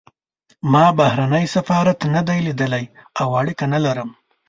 ما بهرنی سفارت نه دی لیدلی او اړیکه نه لرم.